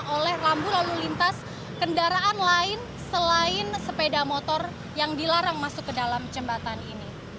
oleh rambu lalu lintas kendaraan lain selain sepeda motor yang dilarang masuk ke dalam jembatan ini